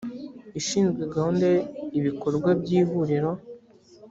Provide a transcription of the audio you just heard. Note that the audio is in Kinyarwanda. ishinzwe gahunda ibikorwa by ihuriro